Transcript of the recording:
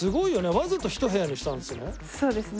わざと１部屋にしたんですよね？